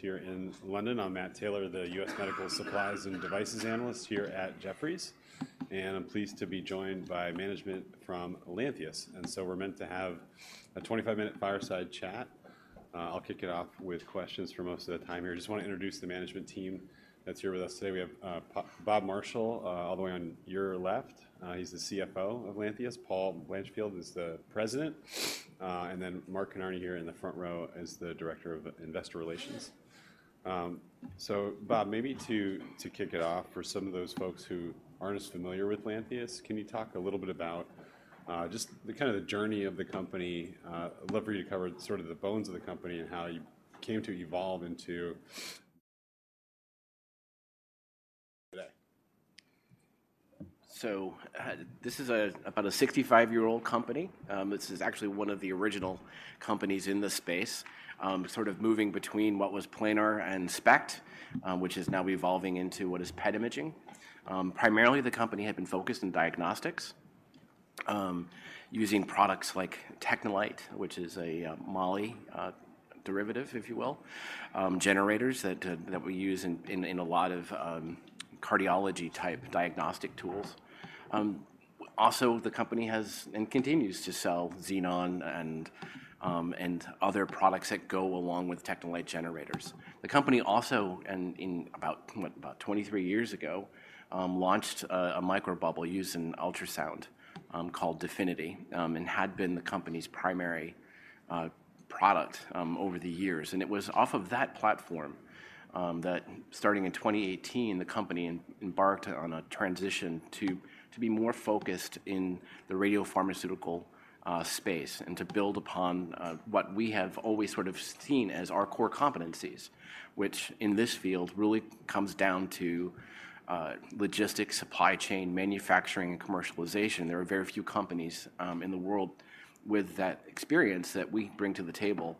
Here in London. I'm Matt Taylor, the U.S. Medical Supplies and Devices Analyst here at Jefferies, and I'm pleased to be joined by management from Lantheus. So we're meant to have a 25-minute fireside chat. I'll kick it off with questions for most of the time here. Just wanna introduce the management team that's here with us today. We have, Bob Marshall, all the way on your left. He's the CFO of Lantheus. Paul Blanchfield is the President. And then Mark Kinarney here in the front row is the Director of Investor Relations. So, Bob, maybe to kick it off, for some of those folks who aren't as familiar with Lantheus, can you talk a little bit about just the kind of the journey of the company? I'd love for you to cover sort of the bones of the company and how you came to evolve into today? So, this is about a 65-year-old company. This is actually one of the original companies in this space, sort of moving between what was planar and SPECT, which is now evolving into what is PET imaging. Primarily, the company had been focused in diagnostics, using products like TechneLite, which is a moly derivative, if you will, generators that we use in a lot of cardiology-type diagnostic tools. Also, the company has and continues to sell Xenon and other products that go along with TechneLite generators. The company also in about 23 years ago launched a microbubble using ultrasound, called DEFINITY, and had been the company's primary product over the years. It was off of that platform that starting in 2018, the company embarked on a transition to, to be more focused in the radiopharmaceutical space, and to build upon what we have always sort of seen as our core competencies, which in this field really comes down to logistics, supply chain, manufacturing, and commercialization. There are very few companies in the world with that experience that we bring to the table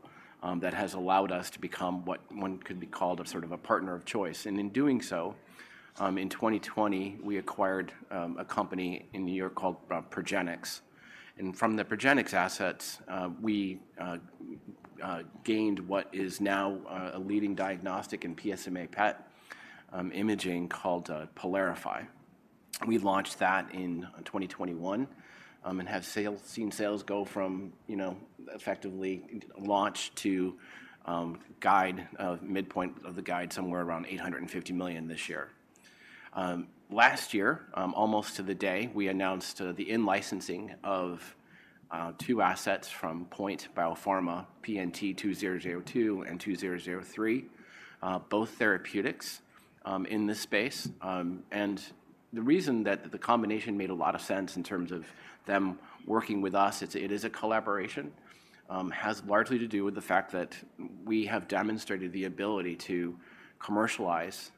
that has allowed us to become what one could be called a sort of a partner of choice. And in doing so, in 2020, we acquired a company in New York called Progenics. And from the Progenics assets, we gained what is now a leading diagnostic in PSMA PET imaging called PYLARIFY. We launched that in 2021, and have seen sales go from, you know, effectively launch to, midpoint of the guide, somewhere around $850 million this year. Last year, almost to the day, we announced the in-licensing of two assets from POINT Biopharma, PNT2002 and PNT2003, both therapeutics in this space. And the reason that the combination made a lot of sense in terms of them working with us, it's, it is a collaboration, has largely to do with the fact that we have demonstrated the ability to commercialize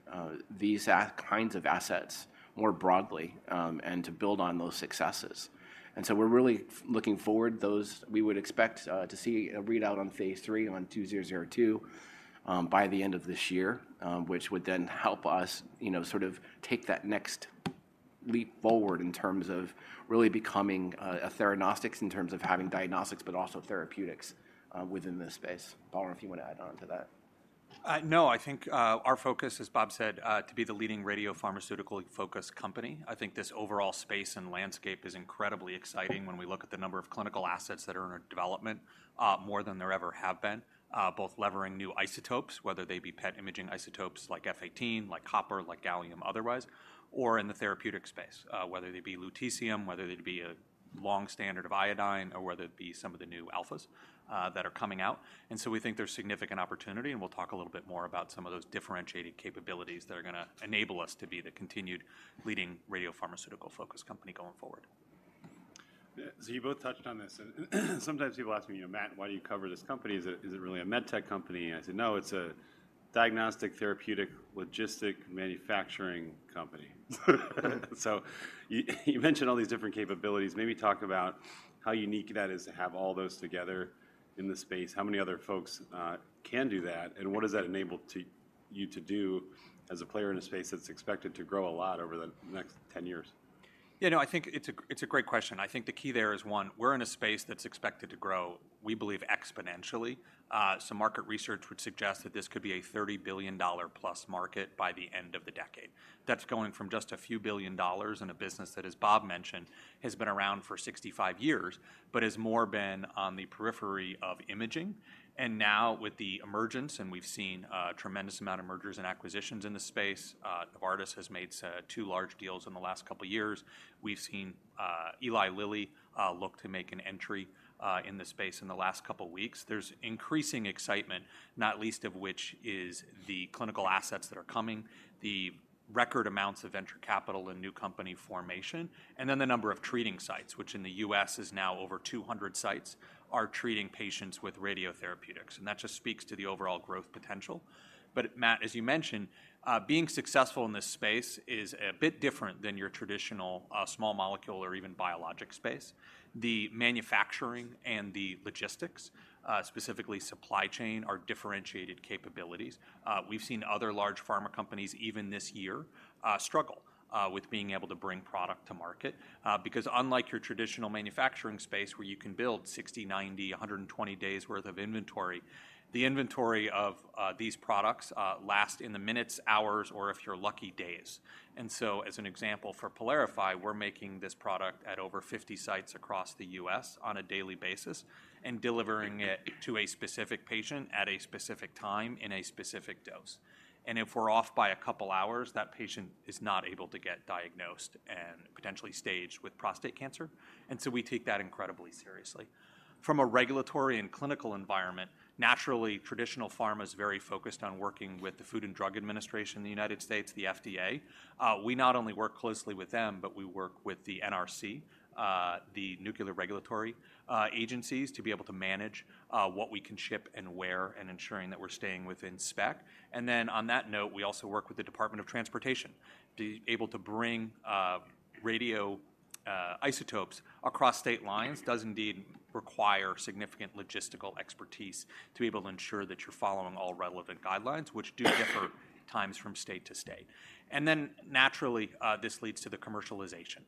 these kinds of assets more broadly, and to build on those successes. And so we're really looking forward. Those we would expect to see a readout on phase III on 2002 by the end of this year, which would then help us, you know, sort of take that next leap forward in terms of really becoming a theranostics, in terms of having diagnostics, but also therapeutics, within this space. Paul, I don't know if you want to add on to that. No, I think our focus, as Bob said, to be the leading radiopharmaceutical-focused company. I think this overall space and landscape is incredibly exciting when we look at the number of clinical assets that are under development, more than there ever have been, both levering new isotopes, whether they be PET imaging isotopes, like F-18, like copper, like gallium, otherwise, or in the therapeutic space, whether they be lutetium, whether they be a long standard of iodine, or whether it be some of the new alphas, that are coming out. And so we think there's significant opportunity, and we'll talk a little bit more about some of those differentiating capabilities that are gonna enable us to be the continued leading radiopharmaceutical-focused company going forward. Yeah, so you both touched on this, and sometimes people ask me, "You know, Matt, why do you cover this company? Is it, is it really a med tech company?" I say, "No, it's a diagnostic, therapeutic, logistic, manufacturing company." So you, you mentioned all these different capabilities. Maybe talk about how unique that is to have all those together in the space. How many other folks can do that, and what has that enabled to you to do as a player in a space that's expected to grow a lot over the next 10 years? Yeah, no, I think it's a, it's a great question. I think the key there is, one, we're in a space that's expected to grow, we believe, exponentially. So market research would suggest that this could be a $30 billion plus market by the end of the decade. That's going from just a few billion dollars in a business that, as Bob mentioned, has been around for 65 years, but has more been on the periphery of imaging. And now with the emergence, and we've seen a tremendous amount of mergers and acquisitions in the space, Novartis has made two large deals in the last couple of years. We've seen Eli Lilly look to make an entry in the space in the last couple of weeks. There's increasing excitement, not least of which is the clinical assets that are coming, the record amounts of venture capital and new company formation, and then the number of treating sites, which in the U.S. is now over 200 sites... are treating patients with radiotherapeutics, and that just speaks to the overall growth potential. But Matt, as you mentioned, being successful in this space is a bit different than your traditional, small molecule or even biologic space. The manufacturing and the logistics, specifically supply chain, are differentiated capabilities. We've seen other large pharma companies, even this year, struggle, with being able to bring product to market. Because unlike your traditional manufacturing space, where you can build 60, 90, 120 days' worth of inventory, the inventory of these products last in the minutes, hours, or if you're lucky, days. And so, as an example, for PYLARIFY, we're making this product at over 50 sites across the U.S. on a daily basis and delivering it to a specific patient at a specific time in a specific dose. And if we're off by a couple hours, that patient is not able to get diagnosed and potentially staged with prostate cancer, and so we take that incredibly seriously. From a regulatory and clinical environment, naturally, traditional pharma is very focused on working with the Food and Drug Administration in the United States, the FDA. We not only work closely with them, but we work with the NRC, the Nuclear Regulatory Commission, to be able to manage what we can ship and where and ensuring that we're staying within spec. And then on that note, we also work with the Department of Transportation. To be able to bring radioisotopes across state lines does indeed require significant logistical expertise to be able to ensure that you're following all relevant guidelines, which do differ at times from state to state. And then naturally, this leads to the commercialization.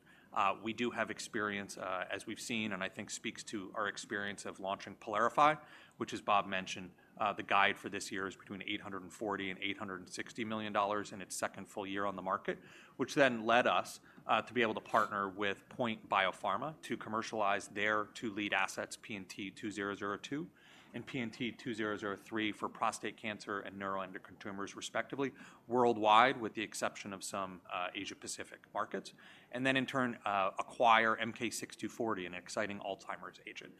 We do have experience, as we've seen, and I think speaks to our experience of launching PYLARIFY, which as Bob mentioned, the guide for this year is between $840 million and $860 million in its second full year on the market, which then led us to be able to partner with POINT Biopharma to commercialize their two lead assets, PNT2002 and PNT2003, for prostate cancer and neuroendocrine tumors, respectively, worldwide, with the exception of some Asia-Pacific markets, and then in turn, acquire MK-6240, an exciting Alzheimer's agent.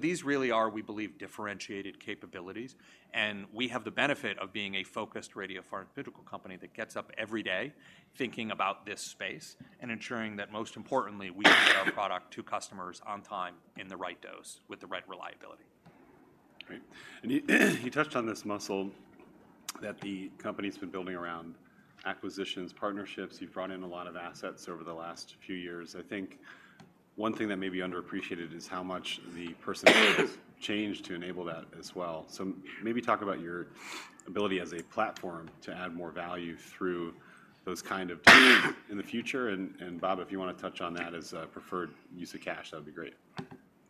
These really are, we believe, differentiated capabilities, and we have the benefit of being a focused radiopharmaceutical company that gets up every day thinking about this space and ensuring that, most importantly, we get our product to customers on time, in the right dose, with the right reliability. Great. And you touched on this muscle that the company's been building around acquisitions, partnerships. You've brought in a lot of assets over the last few years. I think one thing that may be underappreciated is how much the personnel has changed to enable that as well. So maybe talk about your ability as a platform to add more value through those kind of in the future. And Bob, if you wanna touch on that as a preferred use of cash, that would be great.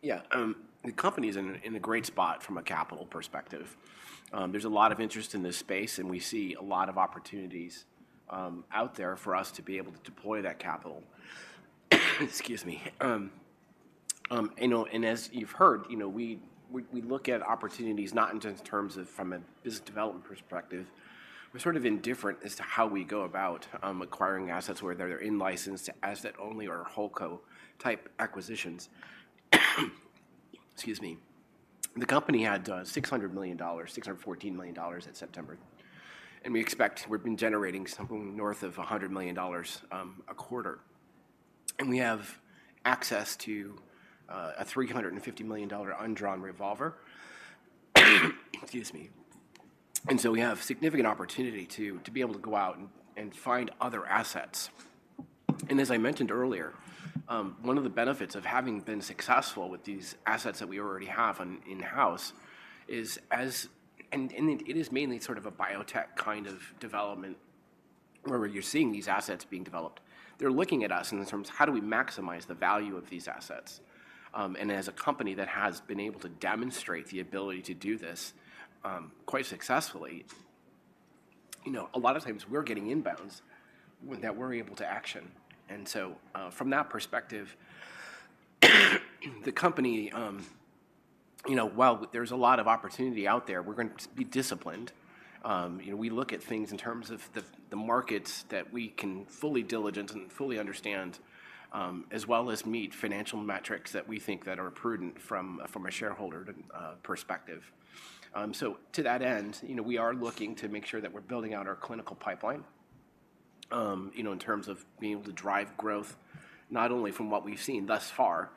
Yeah, the company's in a great spot from a capital perspective. There's a lot of interest in this space, and we see a lot of opportunities out there for us to be able to deploy that capital. Excuse me. You know, and as you've heard, you know, we look at opportunities not in terms of from a business development perspective. We're sort of indifferent as to how we go about acquiring assets, whether they're in-licensed, asset-only, or whole co-type acquisitions. Excuse me. The company had $600 million dollars, $614 million in September, and we expect we've been generating something north of $100 million a quarter. And we have access to a $350 million undrawn revolver. Excuse me. We have significant opportunity to be able to go out and find other assets. And as I mentioned earlier, one of the benefits of having been successful with these assets that we already have in-house is, and it is mainly sort of a biotech kind of development where you're seeing these assets being developed. They're looking at us in the terms, "How do we maximize the value of these assets?" And as a company that has been able to demonstrate the ability to do this quite successfully, you know, a lot of times we're getting inbounds when we're able to action. And so, from that perspective, the company, you know, while there's a lot of opportunity out there, we're going to be disciplined. You know, we look at things in terms of the markets that we can fully diligence and fully understand, as well as meet financial metrics that we think that are prudent from a shareholder perspective. So to that end, you know, we are looking to make sure that we're building out our clinical pipeline, you know, in terms of being able to drive growth, not only from what we've seen thus far,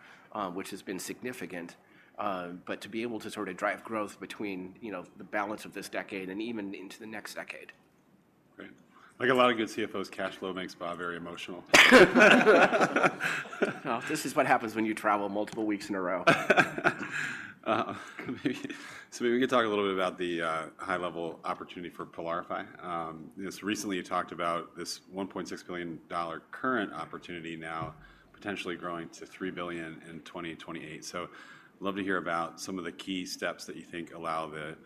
which has been significant, but to be able to sort of drive growth between, you know, the balance of this decade and even into the next decade. Great. Like a lot of good CFOs, cash flow makes Bob very emotional. This is what happens when you travel multiple weeks in a row. So maybe we could talk a little bit about the high-level opportunity for PYLARIFY. Just recently, you talked about this $1.6 billion current opportunity now potentially growing to $3 billion in 2028. So love to hear about some of the key steps that you think allow the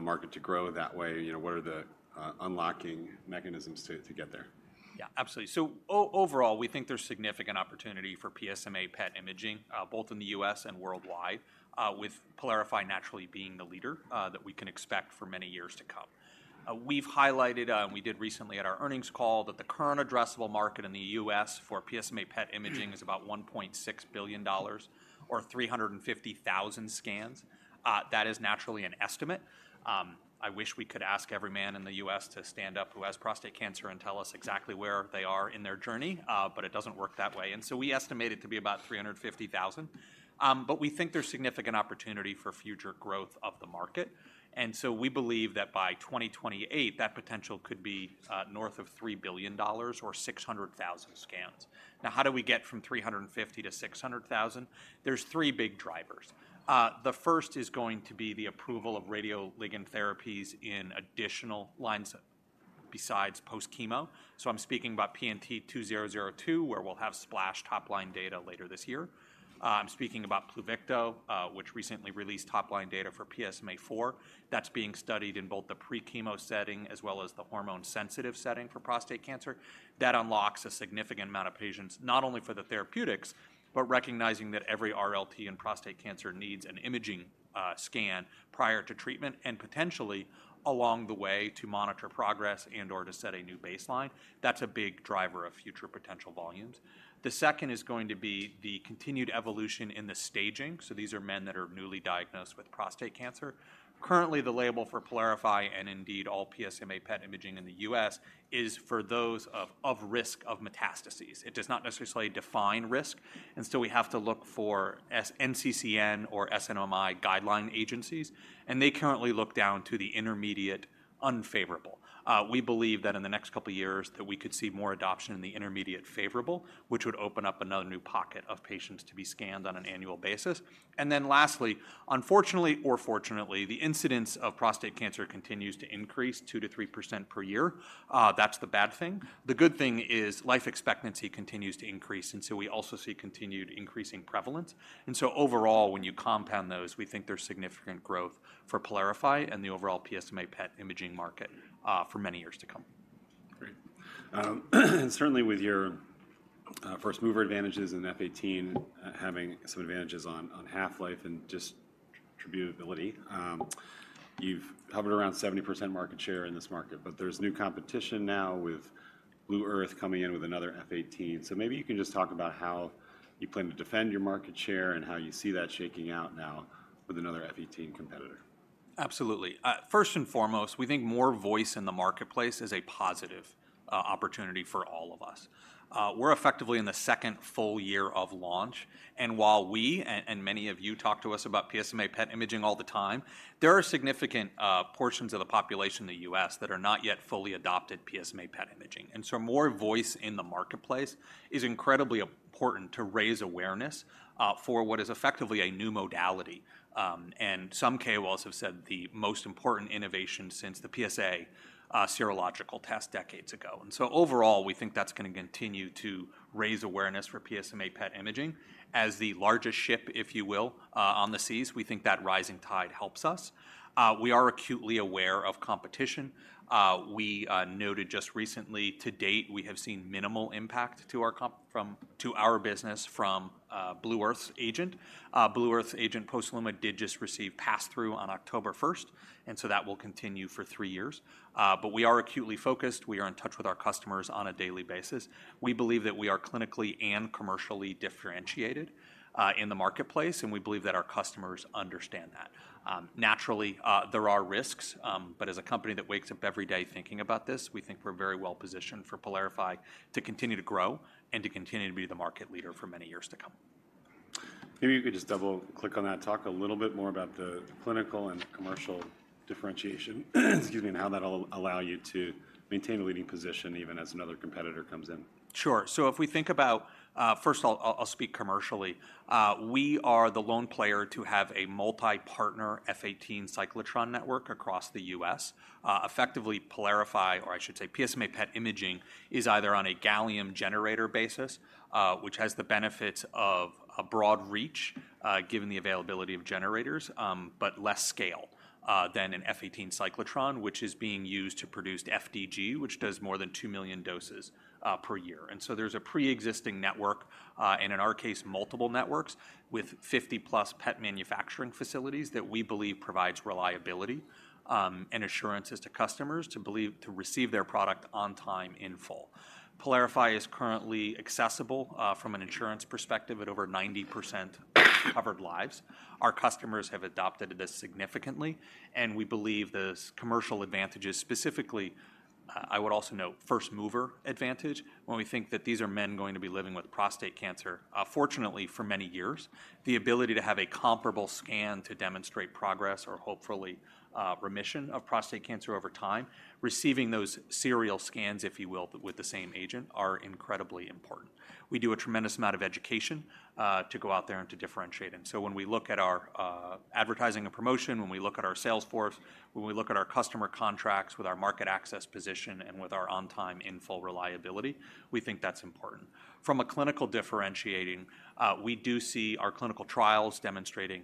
market to grow that way. You know, what are the unlocking mechanisms to get there? Yeah, absolutely. So overall, we think there's significant opportunity for PSMA PET imaging, both in the US and worldwide, with PYLARIFY naturally being the leader that we can expect for many years to come. We've highlighted, and we did recently at our earnings call, that the current addressable market in the US for PSMA PET imaging is about $1.6 billion or 350,000 scans-... That is naturally an estimate. I wish we could ask every man in the US to stand up who has prostate cancer and tell us exactly where they are in their journey, but it doesn't work that way. And so we estimate it to be about 350,000. But we think there's significant opportunity for future growth of the market, and so we believe that by 2028, that potential could be north of $3 billion or 600,000 scans. Now, how do we get from 350 to 600,000? There's three big drivers. The first is going to be the approval of radioligand therapies in additional lines besides post-chemo. So I'm speaking about PNT2002, where we'll have SPLASH top-line data later this year. I'm speaking about Pluvicto, which recently released top-line data for PSMAfore. That's being studied in both the pre-chemo setting as well as the hormone-sensitive setting for prostate cancer. That unlocks a significant amount of patients, not only for the therapeutics, but recognizing that every RLT in prostate cancer needs an imaging scan prior to treatment and potentially, along the way, to monitor progress and/or to set a new baseline. That's a big driver of future potential volumes. The second is going to be the continued evolution in the staging, so these are men that are newly diagnosed with prostate cancer. Currently, the label for PYLARIFY, and indeed, all PSMA PET imaging in the U.S., is for those of risk of metastases. It does not necessarily define risk, and so we have to look for NCCN or SNMMI guideline agencies, and they currently look down to the intermediate unfavorable. We believe that in the next couple of years, that we could see more adoption in the intermediate favorable, which would open up another new pocket of patients to be scanned on an annual basis. And then lastly, unfortunately or fortunately, the incidence of prostate cancer continues to increase 2%-3% per year. That's the bad thing. The good thing is life expectancy continues to increase, and so we also see continued increasing prevalence. And so overall, when you compound those, we think there's significant growth for PYLARIFY and the overall PSMA PET imaging market, for many years to come. Great. Certainly with your first mover advantages in F-18, having some advantages on, on half-life and just distributability. You've hovered around 70% market share in this market, but there's new competition now with Blue Earth coming in with another F-18. So maybe you can just talk about how you plan to defend your market share and how you see that shaking out now with another F-18 competitor. Absolutely. First and foremost, we think more voice in the marketplace is a positive opportunity for all of us. We're effectively in the second full year of launch, and while we and many of you talk to us about PSMA PET imaging all the time, there are significant portions of the population in the U.S. that are not yet fully adopted PSMA PET imaging. And so more voice in the marketplace is incredibly important to raise awareness for what is effectively a new modality and some KOLs have said the most important innovation since the PSA serological test decades ago. And so overall, we think that's going to continue to raise awareness for PSMA PET imaging. As the largest ship, if you will, on the seas, we think that rising tide helps us. We are acutely aware of competition. We noted just recently, to date, we have seen minimal impact to our business from Blue Earth's agent. Blue Earth's agent, POSLUMA, did just receive pass-through on October first, and so that will continue for three years. We are acutely focused. We are in touch with our customers on a daily basis. We believe that we are clinically and commercially differentiated in the marketplace, and we believe that our customers understand that. Naturally, there are risks, but as a company that wakes up every day thinking about this, we think we're very well positioned for PYLARIFY to continue to grow and to continue to be the market leader for many years to come. Maybe you could just double-click on that. Talk a little bit more about the clinical and commercial differentiation, excuse me, and how that'll allow you to maintain a leading position even as another competitor comes in. Sure. So if we think about, first of all, I'll speak commercially. We are the lone player to have a multi-partner F-18 cyclotron network across the U.S. Effectively, PYLARIFY, or I should say, PSMA PET imaging, is either on a gallium generator basis, which has the benefit of a broad reach, given the availability of generators, but less scale than an F-18 cyclotron, which is being used to produce FDG, which does more than 2 million doses per year. And so there's a preexisting network, and in our case, multiple networks, with 50-plus PET manufacturing facilities that we believe provides reliability, and assurances to customers to receive their product on time, in full. PYLARIFY is currently accessible, from an insurance perspective, at over 90% covered lives. Our customers have adopted this significantly, and we believe those commercial advantages, specifically, I would also note first-mover advantage, when we think that these are men going to be living with prostate cancer, fortunately, for many years. The ability to have a comparable scan to demonstrate progress or hopefully, remission of prostate cancer over time, receiving those serial scans, if you will, with the same agent, are incredibly important. We do a tremendous amount of education to go out there and to differentiate. And so when we look at our advertising and promotion, when we look at our sales force, when we look at our customer contracts with our market access position and with our on-time, in-full reliability, we think that's important. From a clinical differentiating, we do see our clinical trials demonstrating,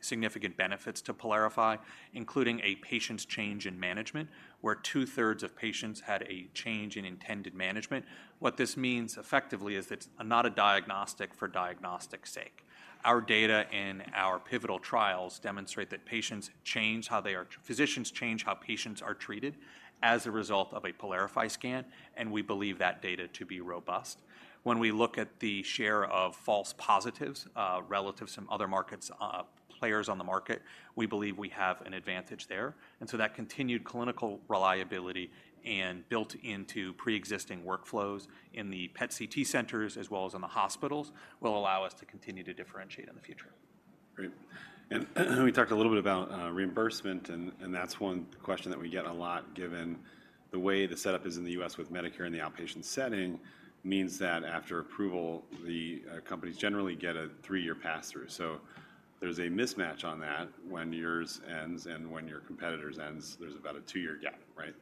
significant benefits to PYLARIFY®, including a patient's change in management, where two-thirds of patients had a change in intended management. What this means, effectively, is it's not a diagnostic for diagnostic's sake. Our data and our pivotal trials demonstrate that physicians change how patients are treated as a result of a PYLARIFY® scan, and we believe that data to be robust. When we look at the share of false positives, relative to some other markets, players on the market, we believe we have an advantage there. And so that continued clinical reliability and built into preexisting workflows in the PET CT centers, as well as in the hospitals, will allow us to continue to differentiate in the future.... Great. And we talked a little bit about reimbursement, and that's one question that we get a lot, given the way the setup is in the U.S. with Medicare in the outpatient setting, means that after approval, the companies generally get a three-year pass-through. So there's a mismatch on that when yours ends and when your competitor's ends, there's about a two-year gap, right?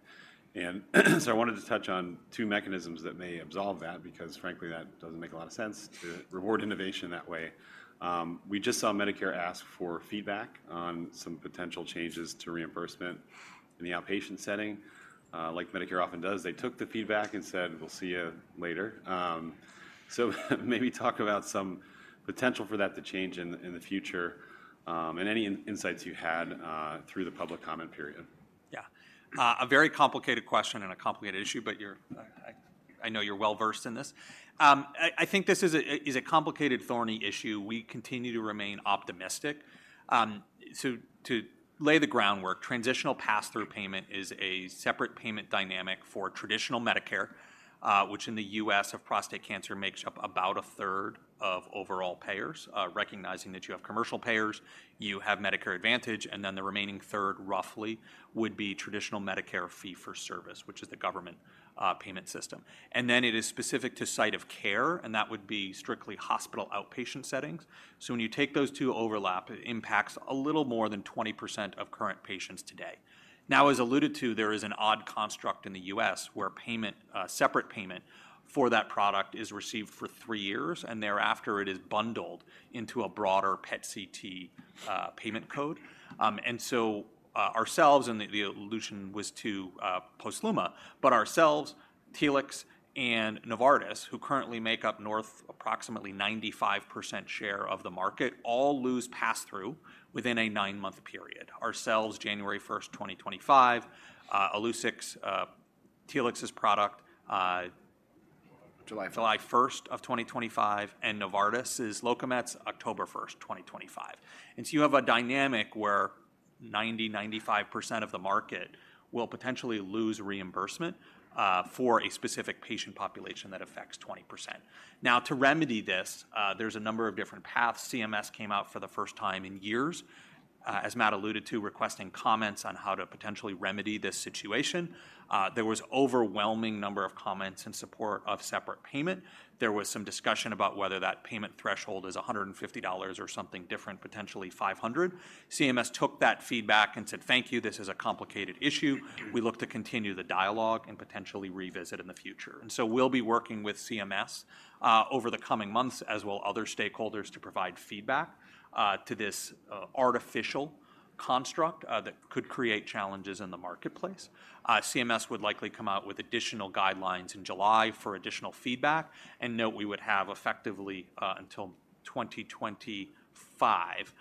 And so I wanted to touch on two mechanisms that may absolve that, because frankly, that doesn't make a lot of sense to reward innovation that way. We just saw Medicare ask for feedback on some potential changes to reimbursement in the outpatient setting. Like Medicare often does, they took the feedback and said, "We'll see you later." So maybe talk about some potential for that to change in the future, and any insights you had through the public comment period. Yeah. A very complicated question and a complicated issue, but you're—I know you're well-versed in this. I think this is a complicated, thorny issue. We continue to remain optimistic. So to lay the groundwork, transitional pass-through payment is a separate payment dynamic for traditional Medicare, which in the U.S., of prostate cancer, makes up about a third of overall payers. Recognizing that you have commercial payers, you have Medicare Advantage, and then the remaining third, roughly, would be traditional Medicare fee-for-service, which is the government payment system. And then it is specific to site of care, and that would be strictly hospital outpatient settings. So when you take those two overlap, it impacts a little more than 20% of current patients today. Now, as alluded to, there is an odd construct in the U.S., where payment, separate payment for that product is received for three years, and thereafter, it is bundled into a broader PET CT payment code. And so, ourselves, and the, the allusion was to, POSLUMA, but ourselves, Telix, and Novartis, who currently make up north approximately 95% share of the market, all lose pass-through within a nine-month period. Ourselves, January 1st, 2025, Illuccix, Telix's product, July... July 1st of 2025, and Novartis' Locametz, October 1st, 2025. And so you have a dynamic where 90%-95% of the market will potentially lose reimbursement for a specific patient population that affects 20%. Now, to remedy this, there's a number of different paths. CMS came out for the first time in years, as Matt alluded to, requesting comments on how to potentially remedy this situation. There was overwhelming number of comments in support of separate payment. There was some discussion about whether that payment threshold is $150 or something different, potentially $500. CMS took that feedback and said, "Thank you. This is a complicated issue. We look to continue the dialogue and potentially revisit in the future." And so we'll be working with CMS over the coming months, as will other stakeholders, to provide feedback to this artificial construct that could create challenges in the marketplace. CMS would likely come out with additional guidelines in July for additional feedback, and note we would have effectively until 2025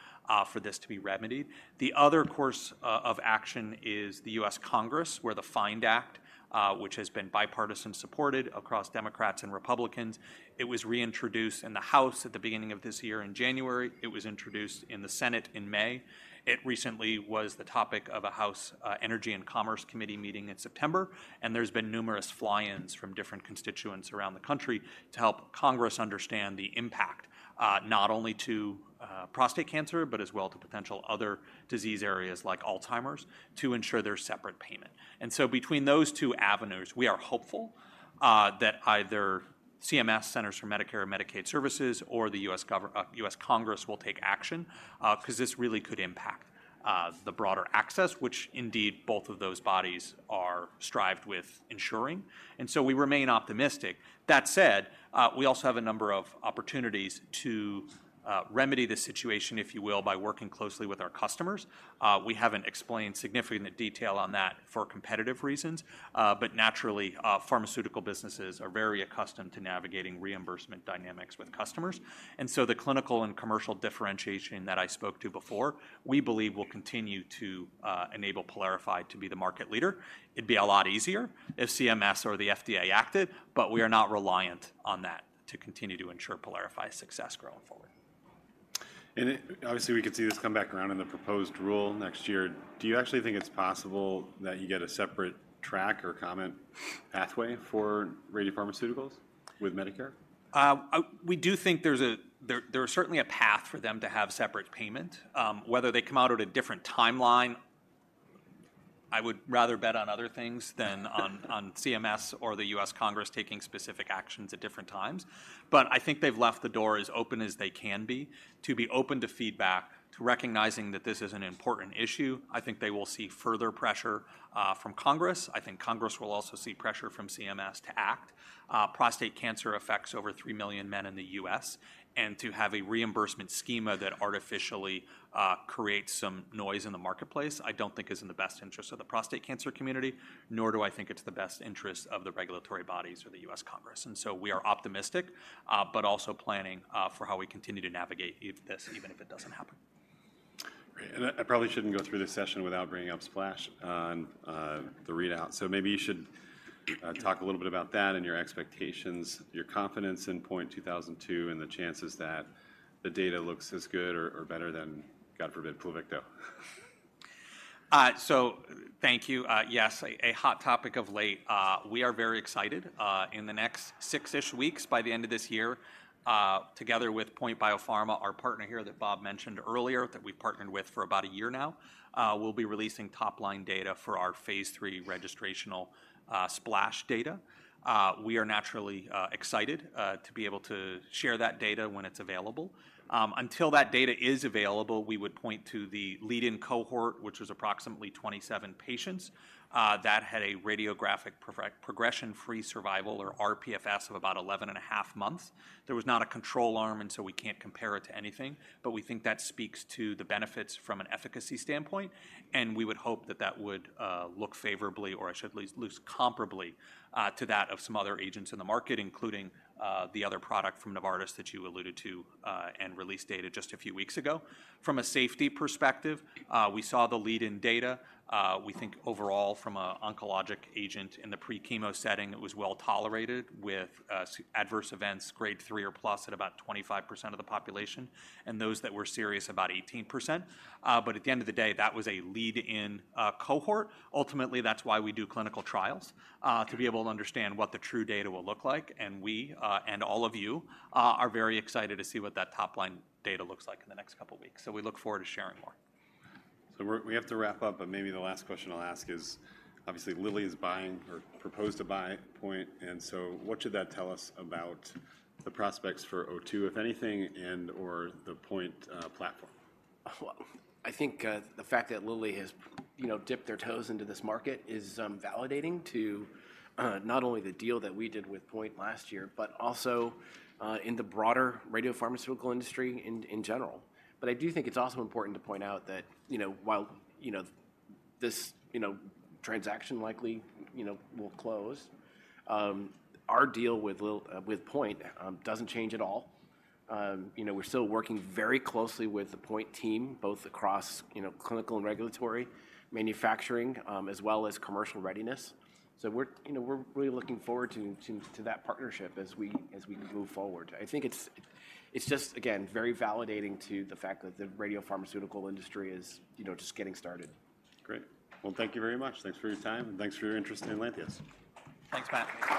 for this to be remedied. The other course of action is the U.S. Congress, where the FIND Act, which has been bipartisan supported across Democrats and Republicans, it was reintroduced in the House at the beginning of this year in January. It was introduced in the Senate in May. It recently was the topic of a House Energy and Commerce Committee meeting in September, and there's been numerous fly-ins from different constituents around the country to help Congress understand the impact, not only to prostate cancer, but as well to potential other disease areas like Alzheimer's, to ensure there's separate payment. And so between those two avenues, we are hopeful that either CMS, Centers for Medicare and Medicaid Services, or the U.S. Congress, will take action because this really could impact the broader access, which indeed, both of those bodies are strived with ensuring, and so we remain optimistic. That said, we also have a number of opportunities to remedy the situation, if you will, by working closely with our customers. We haven't explained significant detail on that for competitive reasons, but naturally, pharmaceutical businesses are very accustomed to navigating reimbursement dynamics with customers. And so the clinical and commercial differentiation that I spoke to before, we believe will continue to enable PYLARIFY to be the market leader. It'd be a lot easier if CMS or the FDA acted, but we are not reliant on that to continue to ensure PYLARIFY's success growing forward. Obviously, we could see this come back around in the proposed rule next year. Do you actually think it's possible that you get a separate track or comment pathway for radiopharmaceuticals with Medicare? We do think there's certainly a path for them to have separate payment. Whether they come out at a different timeline, I would rather bet on other things than on CMS or the US Congress taking specific actions at different times. But I think they've left the door as open as they can be, to be open to feedback, to recognizing that this is an important issue. I think they will see further pressure from Congress. I think Congress will also see pressure from CMS to act. Prostate cancer affects over 3 million men in the U.S., and to have a reimbursement schema that artificially creates some noise in the marketplace, I don't think is in the best interest of the prostate cancer community, nor do I think it's the best interest of the regulatory bodies or the U.S. Congress. And so we are optimistic, but also planning, for how we continue to navigate if this—even if it doesn't happen. Great. And I, I probably shouldn't go through this session without bringing up SPLASH on the readout. So maybe you should talk a little bit about that and your expectations, your confidence in PNT2002, and the chances that the data looks as good or, or better than, God forbid, Pluvicto.... So thank you. Yes, a hot topic of late. We are very excited, in the next six-ish weeks, by the end of this year, together with POINT Biopharma, our partner here that Bob mentioned earlier, that we've partnered with for about a year now, we'll be releasing top-line data for our phase III registrational SPLASH data. We are naturally excited to be able to share that data when it's available. Until that data is available, we would point to the lead-in cohort, which was approximately 27 patients, that had a radiographic progression-free survival or RPFS of about 11.5 months. There was not a control arm, and so we can't compare it to anything, but we think that speaks to the benefits from an efficacy standpoint, and we would hope that that would look favorably, or at least comparably, to that of some other agents in the market, including the other product from Novartis that you alluded to, and released data just a few weeks ago. From a safety perspective, we saw the lead-in data. We think overall from an oncologic agent in the pre-chemo setting, it was well-tolerated, with serious adverse events, Grade 3 or plus at about 25% of the population, and those that were serious, about 18%. But at the end of the day, that was a lead-in cohort. Ultimately, that's why we do clinical trials, to be able to understand what the true data will look like, and we, and all of you, are very excited to see what that top-line data looks like in the next couple of weeks. So we look forward to sharing more. So we have to wrap up, but maybe the last question I'll ask is, obviously, Lilly is buying or proposed to buy POINT, and so what should that tell us about the prospects for PNT2002, if anything, and or the POINT platform? Well, I think, the fact that Lilly has, you know, dipped their toes into this market is, validating to, not only the deal that we did with POINT last year, but also, in the broader radiopharmaceutical industry in, in general. But I do think it's also important to point out that, you know, while, you know, this, you know, transaction likely, you know, will close, our deal with Lil- with POINT, doesn't change at all. You know, we're still working very closely with the POINT team, both across, you know, clinical and regulatory, manufacturing, as well as commercial readiness. So we're, you know, we're really looking forward to, to, to that partnership as we, as we move forward. I think it's, it's just, again, very validating to the fact that the radiopharmaceutical industry is, you know, just getting started. Great. Well, thank you very much. Thanks for your time, and thanks for your interest in Lantheus. Thanks, Matt.